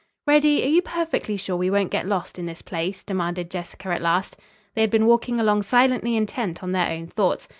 "Reddy, are you perfectly sure we won't get lost in this place?" demanded Jessica at last. They had been walking along silently intent on their own thoughts.